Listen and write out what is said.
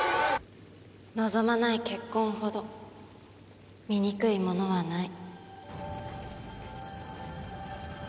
望まない結婚ほど醜いものはない。